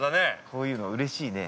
◆こういうのうれしいね。